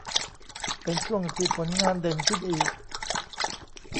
เป็นช่วงที่ผลงานเด่นขึ้นอีก